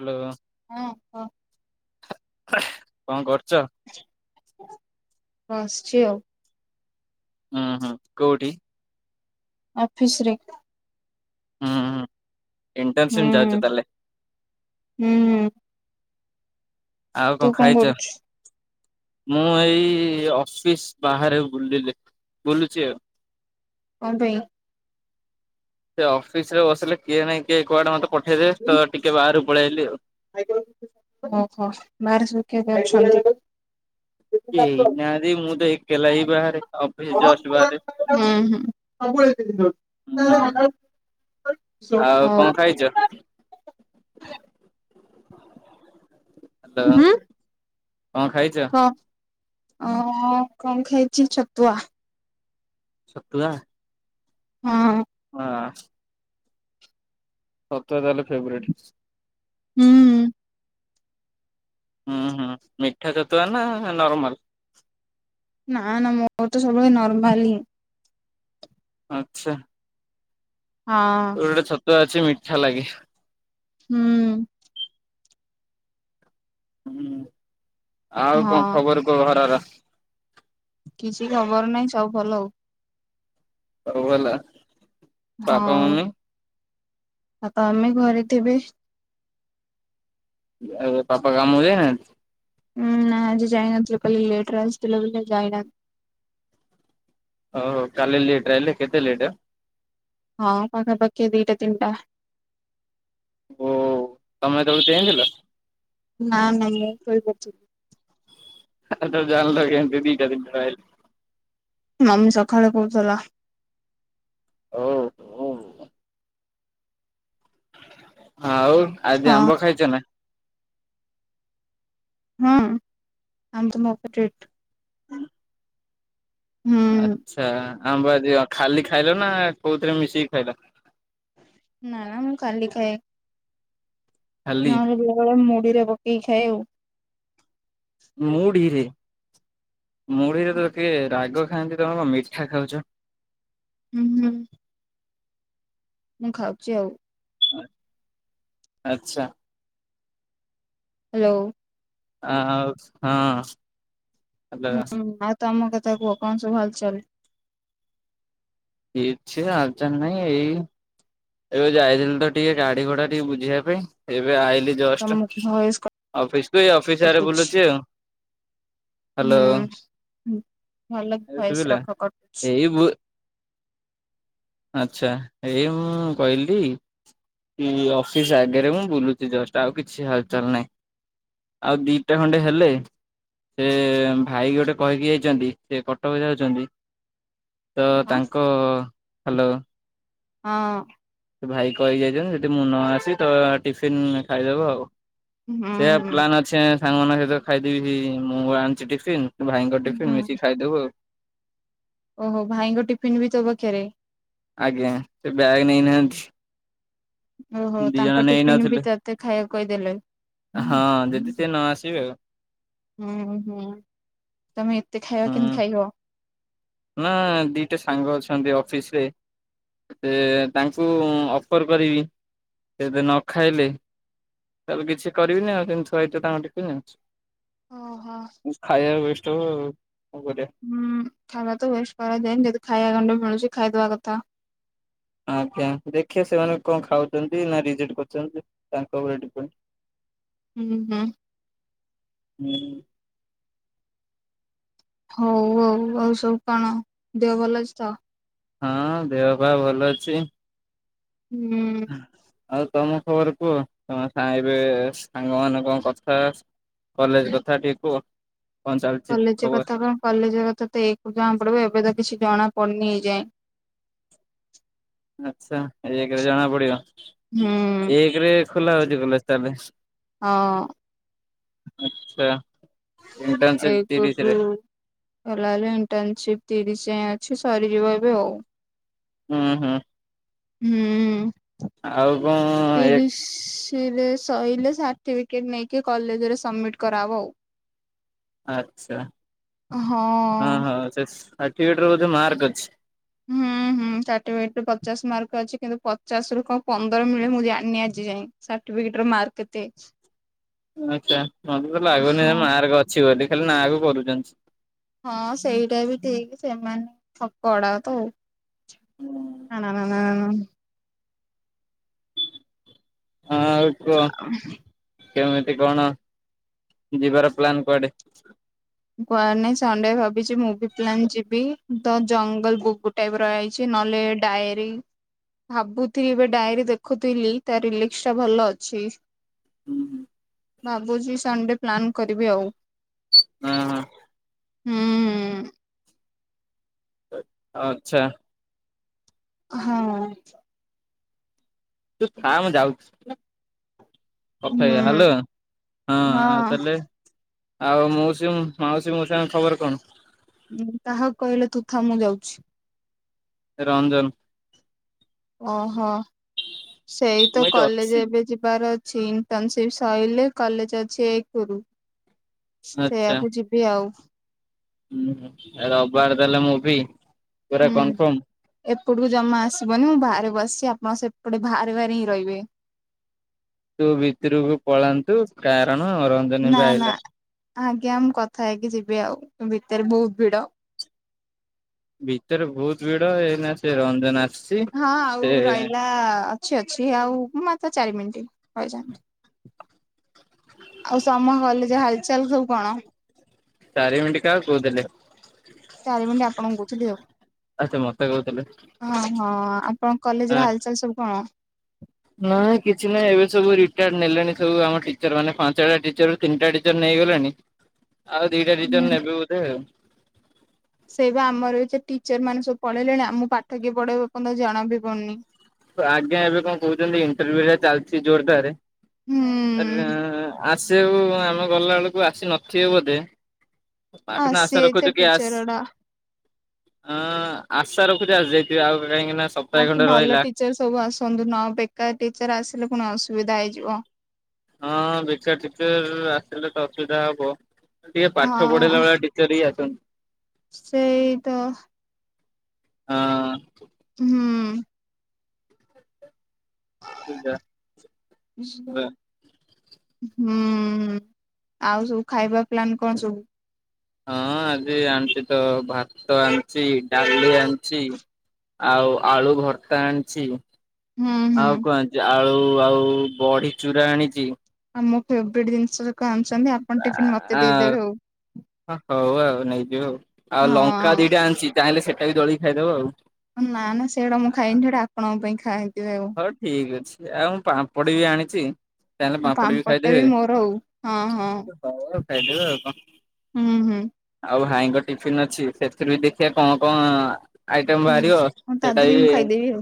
Hello. ହଁ ହ। କଣ କରୁଛ? ବସିଛି ଆଉ। ହୁଁ ହୁଁ କୋଉଠି? ଅଫିସରେ। ହୁଁ ହୁଁ ଣ୍ଟର୍ନସନ ଯାଉଛ ତାହଲେ। ହୁଁ ଆଉ କଣ ତୁ ଖାଇଛ? କରୁଛୁ ମୁଁ ଏଇ ଅଫିସ ବାହାରେ ବୁଲିଲି ବୁଲୁଛି ଆଉ। କଣ ପାଁଇ? ସେ ଅଫିସ ରେ ବସିଲେ କିଏ ନାଇଁ କିଏ କୁଆଡେ ମତେ ପଠେଇଦେବେ ତ ଟିକେ ବାହାର ପଳେଇଆଇଲି ଆଉ। ଓହୋ ବାହାରେ ଶୁଖେଇ ଦେଇଛି? ଏଇନାହାନ୍ତି ମୁଁ ତ ଏକେଲା ହି ବାହାରେ ଅଫିସ ଜଷ୍ଟ ବାହାରେ। ହୁଁ [inaudible] ଆଉ କଣ ଖାଇଛ? [inaudible] ହାଲୋ ହଁ। କଣ ଖାଇଛ? ଅ କଣ ଖାଇଛି ଛତୁଆ। ସନ୍ତୁଲା ହଁ ହଁ ସତୁଆ ତାହେଲେ ଫେବ୍ରାଇଟ ହୁଁ ହୁଁ ହୁଁ ମିଠା ଛତୁଆ ନା ନର୍ମଲ ନା ନା ମୋର ତ ସବୁବେଳେ ନର୍ମାଲ ହି ଆଚ୍ଛା ହଁ କି ମିଠା ଲାଗେ ହୁଁ ହୁଁ ଆଉ ହଁ କଣ ଖବର କଣ ଘରର କିଛି ଖବର ନାହିଁ ସବୁ ଭଲ ଆଉ ଆଉ ହେଲା ହଁ ଆଉ ତ ଆମେ ଘରେ ଥିବେ ପାପା କାମକୁ ଯାଇନାହାନ୍ତି ହୁଁ ନା ଆଜି ଯାଇନଥିଲେ ଲେଟର ଆସିଥିଲେ ବୋଲିଲ ଯାଇନାହାନ୍ତି ହଉଉ କାଲି ଲେଟ୍ ରହିଲେ କେତେ ଲେଟ୍ ଆ ହଁ ପାଖାପାଖି ଦିଟା ତିନିଟା ଓ ତମେ ହେତେବେଳୁ ଞ୍ଚେଇ ଥିଲ ନା ନାଇ ଶୋଇ ପଡ଼ିଥିଲି ତମେ ଜାଣିଲ କେମିତି ଦିଟା ତିନିଟା ରେ ଆଇଲେ ବୋଲି ମମି ସକାଳେ କହୁଥିଲା ଓୋ ହ ହଁ ହଉ ଆଜି ହଁ ଆମ୍ବ ଖାଇଛ ନା ହଁ ଆମ ମକ ଟେଟ ଆଚ୍ଛା ଆମ୍ବା ଯ ଖାଲି ଖାଇଲ ନା କୋଉଥିରେ ମିଶିକି ଖାଇଲ ନା ନା ମୁଁ କାଲିିକାଏ ଖାଲି ନହେଲେ ବେଳେବେଳେ ମୁଢିରେ ପକେଇକି ଖାଏ ଆଉ ମୁଢିରେ ମୁଢିରେ ତ ଦେଖ ରାଗ ଖାଆନ୍ତି ତମେ ମିଠା ଖାଉଛ ହୁଁ ହୁଁ ମୁଁ ଖାଉଛି ଆଉ ଆଚ୍ଛା ହ୍ୟାଲୋ ଆ ହଁ ହେଲା ହୁଁ ଆଉ ତ ଆମ କଥା କୁହ କଣ ସବୁ ହାଲ ଚାଲ କିଛି ହାଲ ଚାଲ ଏଇ ଏବେ ଯାଇଥିଲି ତ ଟିକେ ଗାଡି ଘୋଡା ଟିକେ ବୁଝିବା ପାଇଁ ଏବେ ଆଇ ଏଇ ଜଷ୍ଟ ତମ ଭଏସ ଅଫିସରୁ ଅଫିସ ବୁଲୁଛି ଆଉ ହ୍ୟାଲୋ ହଁ ଭଲ ଏବେ ଭୟସ ଶୁଭିଲା ରଖ କରୁଛି [inaudible] ଆଚଛା ଏ କହିଲି କି ଅଫିସ ଆଗରେ ମୁଁ ବୁଲୁଛି ଜଷ୍ଟ ଆଉ କିଛି ହାଲଚାଲ ନହିଁ ଆଉ ଦିଟା ଖଣ୍ଡେ ହେଲେ ସେ ଭାଇ ଗୋଟେ କହିକି ଯାଇଛନ୍ତି ସେ କଟକ ଯାଉଛନ୍ତି ତ ହଁ ତାଙ୍କ ହ୍ୟାଲୋ ହଁ ସେ ଭାଇ କହି ଯାଇଛନ୍ତି ଯଦି ମୁଁ ନ ଆସେ ତ ଟିଫିିନ ଖାଇଦେବ ଆଉ ହୁଁ ସେଇଆ ହୁଁ ପ୍ଲାନ୍ ଅଛି ସାଙ୍ଗମାନଙ୍କ ସହିତ ଖାଇଦେବି ମୁଁ ଆଣିଛି ଟିିଫିନ୍ ଭାଇଙ୍କ ଟିଫିନ୍ ହୁଁ। ମିଶିକି ଖାଇଦେବୁ ଆଉ। ଓହୋ ଭାଇଙ୍କ ଟିଫିନ ବି ତୋ ପାଖେରେ। ଆଜ୍ଞା ସେ ବ୍ୟାଗ ନେଇନାହାନ୍ତି। ଓହୋ ଦି ଜଣ ତାଙ୍କ ଟିଫିନ୍ ନେଇନଥିଲେ ବି ତତେ ଖାଇବାକୁ କହିଦେଲେ। ହଁ ଯଦି ସେ ନ ଆସିବେ ଆଉ। ହୁଁ ହୁଁ ତମେ ଏତେ ଖାଇବା କେମତି ହୁଁ। ଖାଇବ? ନା ଦିଟା ସାଙ୍ଗ ଅଛନ୍ତି ଅଫିସ ରେ। ସେ ତାଙ୍କୁ ଅଫର କରିବି ସେ ଯଦି ନ ଖାଇଲେ ତାହେଲେ କିଛି କରିବିନି ଆଉ ସେମିତି ଥୁଆ ହେଇଥିବ ତାଙ୍କ ଟିଫିନ୍। ଓହୋ। ଖାଇଆ ଓ୍ଵେଷ୍ଟ ହବ ଆଉ। କଣ କରିବା ହୁଁ ଖାଇବା ତ ୱେଷ୍ଟ କରାଯାଏନି ଯଦି ଖାଇବା ଗଣ୍ଡେ ମିଳୁଚି ଖାଇଦବା କଥା। ଆଜ୍ଞା ଦେଖେ ସେମାନେ କଣ ଖାଉଚନ୍ତି ନା ରିଜେକ୍ଟ କରୁଚନ୍ତି ତାଙ୍କ ଉପରେ ଡିପେଣ୍ଡ। ହୁଁ ହୁଁ। ହୁଁ। ହଉ ହଉ ହଉ ସବୁ କଣ ଦେହ ଭଲ ଅଛି ତ? ହଁ ଦେହ ପାଆ ଭଲ ଅଛି। ହୁଁ। ଆଉ ତମ ଖବର କୁହ ତମ ସାଙ୍ଗ ଏବେ ସାଙ୍ଗ ମାନଙ୍କ କଥା। କଲେଜ କଥା ଟିକେ କୁହ। କଣ ଚାଲିଛି କଲେଜ ଖବର କଥା କଣ? କଲେଜ କଥା ତ ଏକରୁ ଜଣା ପଡିବ ଏବେ ତ କିଛି ଜଣା ପଡ଼ିନି ଏଯାଇଁ। ଆଚ୍ଛା ଏକରେ ଜଣା ପଡିବ। ହୁଁ ଏକରେ ଖୋଲା ହଉଚି କଲେଜ ତାହେଲେ। ହଁ। ଆଚ୍ଛା। ଇଣ୍ଟର୍ନସିପ ଏକରୁ ତିରିଶରେ ଖୋଲା ହେଲେ ଇଣ୍ଟର୍ନଶିପ ତିରିଶ ଯାଏଁ ଅ ଅଛି ସରିଯିବ ଏବେ ଆଉ। ହୁଁ ହୁଁ। ହୁଁ ଉଁ। ଆଉ କଁ ଅ ଏକ୍ ତିର୍ ରେ ସଇଲେ ସାର୍ଟିଫିକେଟ୍ ନେଇକି କଲେଜେରେ ସମିଟ୍ କରାହବ ଆଉ। ଆଚ୍ଛା ହଁ ହଁ ହଁ ସେ ସାର୍ଟିଫିକେଟ ରେ ବଧେ ମାର୍କ ଅଛି। ହୁଁ। ହୁଁ ସାର୍ଟିଫିକେଟ ପଚାଶ ମାର୍କ ପା ଅଛି। କିନ୍ତୁ ପଚାଶ ରୁ କଣ ପନ୍ଦର ମିଳେ ମୁଁ ଜାଣିନି ଆଜି ଯାଏଁ ସାର୍ଟିପି ଫିକେଟ୍ ରେ ମାର୍କ କେତେ? ଆଚ୍ଛା ମତେ ତ ଲାଗୁନି ହଁ ମାର୍କ ଅଛି ବୋଲି ଖାଲି ନା କୁ କରୁଚନ୍ତି। ହଁ ସେଇଟା ବି ଠିକ୍ ସେମାନେ ଠକଅଡାଗ ତ ଆଉ। ନା ନା ନା ନା ନା ଆଁ ଉ [unintelligible] କେମିତି କଣ ଯିବାର ପ୍ଲାନ କୁଆଡେ? କୁଆଡେ ନାଇଁ ସଣ୍ଡେ ଭାବିଚି ମୁଭି ପ୍ଲାନ୍ ଯିବି ତ ଜଙ୍ଗଲ ବୁକୁ ଟାଇପ ର ଆଇଛିନ୍। ନଅଲେ ଡାଏରୀ। ଭାବୁଥିଲି ଏବେ ଡାଏରୀ ଦେଖୁଥିଲି ତାର ରିଲିକ୍ସ ଟା ଭଲ ଅଛି। ହୁଁ ହୁ। ଭାବୁଚି ସଣ୍ଡେ ପ୍ଲାନ୍ କରିବି ଆଉ। ହଁ ହଁ। ହୁଁ ହୁଁ। ଆଚ୍ଛା। ହଁ। ତୁ ଥାଆ ମୁଁ ଯାଉଛି। କଥା ହେଇ ହୁଁ ହାଲୋ ହଁ। ଆଉ ହଁ ତାହେଲେ ଆଉ ମଉସୀମ୍ ମାଉସୀ ମଉସା ଙ୍କ ଖବର କଣ? ହୁଁ କାହାକୁ କହିଲେ ତୁ ଥା ମୁଁ ଯାଉଛି? ରଞ୍ଜନ। ଓହୋ। ସେଇ ତ ମୁଁ ଏଇଠି କଲେଜ ଅଛି। ଏବେ ଯିବାର ଅ ଇଣ୍ଟର୍ନସିପ୍ ସଇଲେ କଲେଜ ଅଛି ଏକରୁ ସେୟାକୁ ଯିବି ଆଉ। ହଁ ରବିବାର ଦେଲେ ମୁଭି ପୁରା ହୁଁ କନଫର୍ମ। ଏପଟକୁ ଜମା ଆସିବନି ମୁଁ ବାହାରେ ବସିଚି, ଆପଣ ସେପଟେ ବାହାରେ ବାହାରେ ହିଁ ରହିବେ। ତୁ ଭିତରକୁ ପଳାନ୍ତୁ କାରଣ ରଞ୍ଜନ ନା ଏବେ ନା ଆଇଲା। ଆଜ୍ଞା ମୁଁ କଥା ହେଇକି ଯିବି ଆଉ, ଭିତରେ ବହୁତ ଭିଡ। ଭିତରେ ବହୁତ ଭିଡ, ଏଇନା ସେ ରଞ୍ଜନ ଆସ ହଁ ଆଉ ରହିଲା ଅଛି ଅଛି ଆଉ ମାତ୍ର ଚାରି ମିନିଟ୍ ରହିଯାଆନ୍ତୁ। ଆଉ ସମ କଲେଜ ହାଲଚାଲ ସବୁ କଣ? ଚାରିମିଣ୍ଟି କାହାକୁ କହୁଥିଲେ? ଚାରି ମିଣ୍ଟି ଆପଣଙ୍କୁ କହୁଥିଲି ଆଉ। ଆଚ୍ଛା ମତେ କହୁଥିଲେ ହଁ ହଁ ଆପଣ କଲେଜ ଆଁ ର ହାଲଚାଲ ସବୁ କଣ? ନାଇଁ କିଛି ନାଇଁ ଏବେ ସବୁ ରିଟାୟାର୍ଡ ନେଲେଣି ସବୁ ଆମ ଟିଚର ମାନେ ପାଞ୍ଚଟା ଟିଚରରୁ ତିନିଟା ଟିଚର ନେଇ ନେଇଗଲେଣି ଆଉ ଦିଟା ଟିଚର ନେବେ ବୋଧେ ଆଉ। ସେଇ ବା ଆମର ବି ଏ ଟିଚର ମାନେ ସବୁ ପଳେଇଲେଣି, ଆମକୁ ପାଠ କିଏ ପଢେଇବ ଏପର୍ଯ୍ୟନ୍ତ ଜଣା ବି ପଡୁନି। ଆଜ୍ଞା ଏବେ କଣ କହୁଛନ୍ତି ଇଣ୍ଟରଭ୍ୟୁ ହେରିକା ଚାଲିଛି ଜୋରଦାର ହୁଁ ଆର-ଆସିବାକୁ ଆମେ ଗଲା ବେଳକୁ ଆସି ନଥିବେ ବୋଧେ ପାଠ ନା ଆଶା ଆସିଯାଇଥିବେ ରଖୁଛୁ କି ଆସ ଟିଚର ଗୁଡା। ଅ ଆଶା ରଖୁଛି ଆସିଯାଇଥିବେ ଆଉ କାହିଁକିନା ସପ୍ତାହେ ବାକି ଖଣ୍ଡେ ଭଲ ରହିଲା ଟିଚର ସବୁ ଆସନ୍ତୁ, ନ ବେକାର ଟିଚର ଆସିଲେ ପୁଣି ଅସୁବିଧା ହେଇଯିବ। ହଁ ବେକାର ଟିଚର ଆସିଲେ ତ ଅସୁବିଧା ହବ ଟିକେ ପାଠ ହଁ ପଢେଇଲା ଭଳିଆ ଟିଚର ହିଁ ଆସନ୍ତୁ। ସେଇ ତ ହଁ। ହୁଁ। [unintelligible] ହଁ। ହୁଁ। ଆଉ ସବୁ ଖାଇବା ପ୍ଲାନ କଣ ସବୁ? ହଁ ଆଜି ଆଣିଛି ତ ଭାତ ଆଣିଛି, ଡାଲି ଆଣିଛି ଆଉ ଆଳୁ ଭର୍ତା ଆଣିଛି, ହୁଁ ହୁଁ ଆଉ କଣ ଆଣିଚି ଆଳୁ ଳୁ ଆଉ ବଢ଼ି ଚୁରା ଆଣିଚି ଆଉ ମୋ ଫେବରାଇଟ୍ ଜିନିଷ ଯାକ ଆଣିଛନ୍ତି ଆପଣ ଟିଫିନ୍ ମତେ ଦେଇଦେବେ ଆ ଆଉ। ହଉ ଆଉ ନେଇଯିବ ଆଉ। ଆଉ ଲଙ୍କା ହଁ ଦିଟା ଆଣିଛି ଚାହିଁଲେ ସେଇଟା ବି ଦଳିକି ଖାଇଦବ ଆଉ। ନା ନା ସେଗୁଡ଼ା ମୁଁ ଖାଏନି ସେଗୁଡ଼ା ଆପଣଙ୍କ ପାଇଁ ଖାଏ ହଉ ଠିକ ଅଛି। ଆଉ ମୁଁ ପାମ୍ପଡି ବି ଆଣିଚି ଚାହିଁଲେ ହଁ ପାମ୍ପଡ ବି ଟା ଖାଇଦେବେ, ମୋର ଆଉ ହଁ [unintelligible] ଖାଇଦେବେ ଆଉ କଣ? ହୁଁ ହୁଁ। ଆଉ ଭାଇଙ୍କ ଟିଫିିନ ଅଛି, ସେଥିରୁ ବି ଦେଖିବା କଣ କଣ ଆଇଟମ ହୁଁ ବାହାରିବ ହଁ ତା ସେଇଟା ଦେହରେ ମୁଁ ବି ଖାଇଦେବି ଆଉ।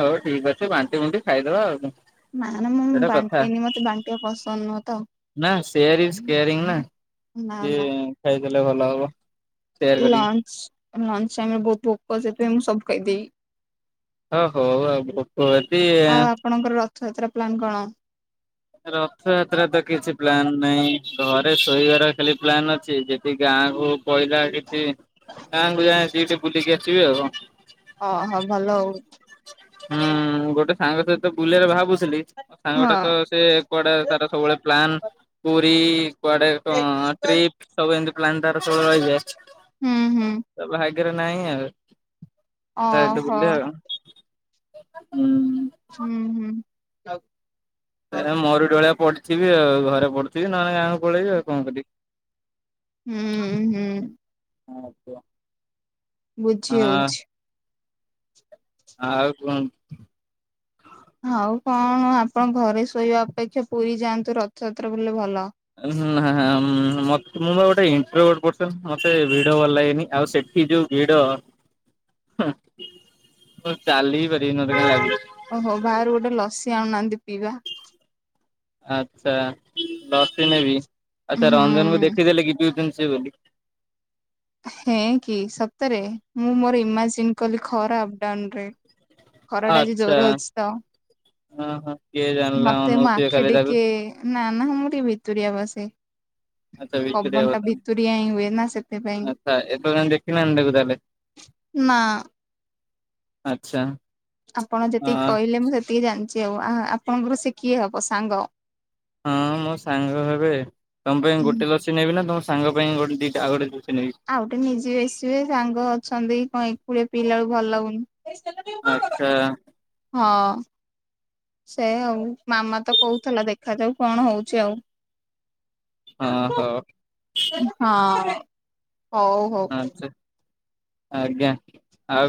ହଉ ଠିକ୍ ଅଛି ବାଣ୍ଟି କୁଟି ଖାଇଦବା ଆଉ। ନା ନା ମୁଁ ସେଇଟା ବାଣ୍ଟିନି, ମତେ ବାଣ୍ଟିବା ପସନ୍ଦ ନୁହଁ ତ ନାଁ, ସେୟାର ଇଜ କେୟାରିଂ ନା। ନା ନା ଟିଏ ଖାଇଦେଲେ ଭଲ ହବ। ସେୟାର କରିକି ଲଞ୍ଚ ଲଞ୍ଚ ଟାଇମରେ ବହୁତ ଭୋକ ସେଥିପାଇଁ ମୁଁ ସବୁ ଖାଇଦେବି। ଓ ହୋ ଆଉ କଷ୍ଟ ଆଉ [unintelligible] ଆପଣଙ୍କର ରଥଯାତ୍ରା ପ୍ଲାନ କଣ? ରଥଯାତ୍ରାରେ ତ କିଛି ପ୍ଲାନ ନାହିଁ ଘରେ ଶୋଇବାର ଖାଲି ପ୍ଲାନ୍ ଅଛି ଯଦି ଗାଁ ଗାଁକୁ କହିଲା କିଛି ଗାଁକୁ ଯାଇ ଟିକେ ବୁଲିକି ଆସିବି ଆଉ। ଅହୋ ଭଲ ଅଉ। ହୁଁ ଗୋଟେ ସାଙ୍ଗ ସହିତ ବୁଲରେ ଭାବୁ ଥିଲି ମୋ ସାଙ୍ଗଟା ତ ଆଉ ସେ କୁଆଡେ ତାର ସବୁବେଳେ ପ୍ଲାନ୍ ହଁ। ପୁରୀ କୁଆଡେ କଣ ଟ୍ରିପ୍ ସବୁ ଏମତି ପ୍ଲାନ୍ ତାର ସବୁ ରହିଯାଏ ହୁଁ ହୁଁ ତ ଭା ଭାଗ୍ୟରେ ନାଇଁ ଆଉ ଫ୍ଲାଇଟ୍ ରେ ଓହୋ ବୁଲିବା। ଉୁଁ, ହୁଁ। ମରୁଡି ଭଳିଆ ପଡ଼ିଥିବି ଆଉ ଘରେ ପଡୁଥିବି ନହେଲେ ଗାଁକୁ ପଳେଇବି ଆଉ କଣ କରିବି। ଉୁଁ ହୁଁ। ହଁ କୁହ। ବୁଝିହଉଛି। ଆଉ କଣ? ଆଉ କଣ ଆପଣ ଘରେ ଶୋଇବା ଅପେକ୍ଷା ପୁରୀ ଯାଆନ୍ତୁ ରଥଯାତ୍ରା ବୁଲିଲେ ଭଲ। [unintelligible] ମତେ ଭିଡି ଭଲ ଲାଗେନି ଆଉ ସେ ଇ ଯୋଉ ଭିଡ ହୁଁ, ଉଁ ଚାଲି ପାରିବିନି ମତେ କା ଲାଗ୍ [unintelligible] ନ୍ତିିପିବା ଆଛା, ଲସି ନେବି, ଆଛା ହୁଁ ରଞ୍ଜନକୁ ଦେଖିଦେଲେ କି ପିଉଛନ୍ତି। ସେ ବୋଲି ହେଁ କି ସତରେ, ମୁଁ ମୋର ଇମାଜିନ୍ କଲି ଖରା ଅପଡାଉନରେ ଖରାଟା ଆଜି ଆଚ୍ଛା ଜୋର ହଉଚି ତ ହଁ ହଁ କିଏ ଜାଣିଲା ମତେ ମୋ ଅନଉଥିବେ ଆଖି ଖାଲି ତାକୁ। ଟିକେ ନା ନା ମୁଁ ଟିକେ ଭିତୁୁରଆ ବସେ। ଆଚ୍ଛା [inaudible] ଭିତରିଆ ପବନ୍ ଟା ବଦନ ଭିତୁରିଆ ଇଁ ହୁଏ ନା, ସେଥିପାଇଁ ଆଚ୍ଛା ଏପର୍ଯ୍ୟନ୍ତ ଦେଖିନାହାନ୍ତି ତାକୁ ତାହେଲେ ନାଁ। ଆଚ୍ଛା। ଆପଣ ଅ ଯେତିକି କଇଲେ ମୁଁ ସେତିକି ଜାଣିଚି ଆଉ ଆହା ଆପଣଙ୍କର ସେ କିଏ ହବ ସାଙ୍ଗ? ହଁ ମୋ ସାଙ୍ଗ ହେବେ, ତ ଆଉଟେ ନିଜେ ଆସିବେ ସାଙ୍ଗ ଅଛନ୍ତି କଁଏକୁ ପିଲା ଭଲ୍ ଲାଗୁନି। ଆଚ୍ଛା। ହଁ ସେ ଆଉ ମାମା ତ କହୁଥଲା ଦେଖାଯାଉ କଣ ହଉଛି ଆଉ। ହଁ ହ। ହଁ ହଉ ହଉ ଆଜ୍ଞା। ଆଉ